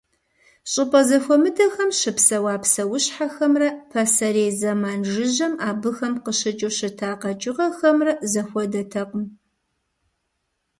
Щӏыпӏэ зэхуэмыдэхэм щыпсэуа псэущхьэхэмрэ пасэрей зэман жыжьэм абыхэм къыщыкӏыу щыта къэкӏыгъэхэмрэ зэхуэдэтэкъым.